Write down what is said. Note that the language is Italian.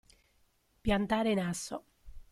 Piantare in asso.